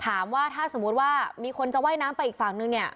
ถามว่าถ้าสมมุติว่ามีคนจะว่ายน้ำไปอีกฝั่งนึงเนี่ย